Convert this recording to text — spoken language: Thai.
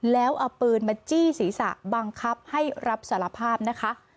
แล้วเอาปืนมาจี้ศีรษะบังคับให้รับสารภาพนะคะ